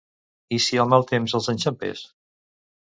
I si el mal temps els enxampés?